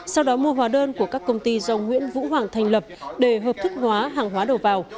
sau đó mua hóa đơn của các công ty do nguyễn vũ hoàng thành lập để hợp thức hóa hàng hóa đầu vào